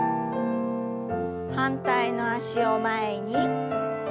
反対の脚を前に。